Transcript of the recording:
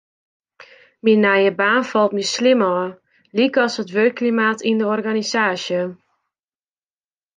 Myn nije baan falt my slim ôf, lykas it wurkklimaat yn de organisaasje.